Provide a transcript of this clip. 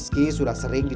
di sana tadi dia